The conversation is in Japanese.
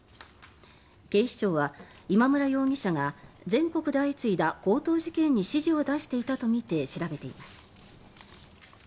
警視庁は今村容疑者が全国で相次いだ強盗事件に指示を出していたとみて調べています。